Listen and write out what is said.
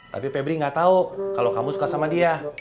tapi pebri nggak tahu kalau kamu suka sama dia